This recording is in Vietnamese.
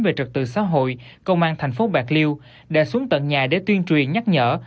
về trật tự xã hội công an thành phố bạc liêu đã xuống tận nhà để tuyên truyền nhắc nhở